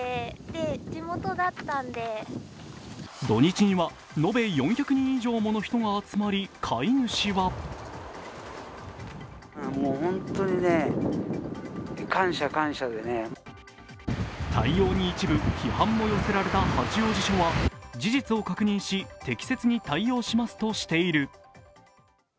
土日には延べ４００人以上の人が集まり、飼い主は対応に一部、批判も寄せられた八王子署は事実を確認し、適切に対応しますとしている。